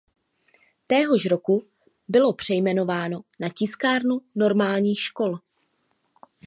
Téhož roku bylo přejmenováno na Tiskárnu normálních škol.